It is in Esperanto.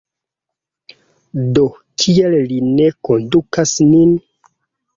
Do kial li ne kondukas nin?